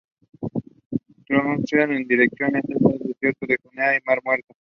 Transcurre en dirección Este hasta el desierto de Judea y el mar Muerto.